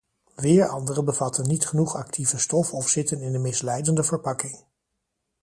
Weer andere bevatten niet genoeg actieve stof of zitten in een misleidende verpakking.